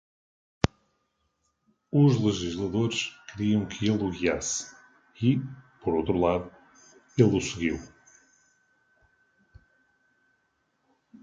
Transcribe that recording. Os legisladores queriam que ele o guiasse e, por outro lado, ele o seguiu.